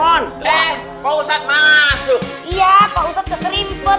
iya pak ustad keserimpet